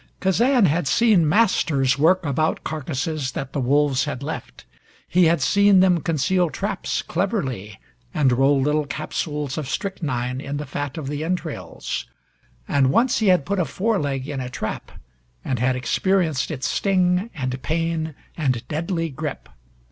Kazan had seen masters work about carcasses that the wolves had left. He had seen them conceal traps cleverly, and roll little capsules of strychnine in the fat of the entrails, and once he had put a foreleg in a trap, and had experienced its sting and pain and deadly grip.